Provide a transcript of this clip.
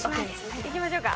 行きましょうか。